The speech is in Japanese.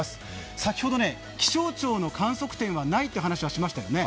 先ほど気象庁の観測点はないと話しましたよね。